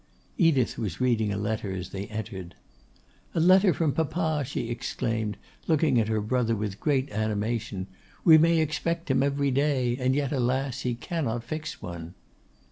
Edith was reading a letter as they entered. 'A letter from papa,' she exclaimed, looking up at her brother with great animation. 'We may expect him every day; and yet, alas! he cannot fix one.